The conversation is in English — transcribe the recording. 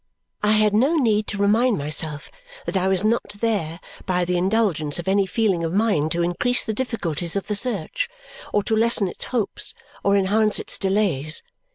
I had no need to remind myself that I was not there by the indulgence of any feeling of mine to increase the difficulties of the search, or to lessen its hopes, or enhance its delays.